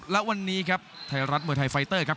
และวันนี้ครับไทยรัฐมวยไทยไฟเตอร์ครับ